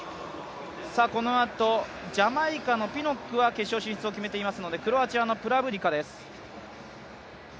このあと、ジャマイカのピノックは決勝進出を決めていますのでクロアチアのプラブディカです。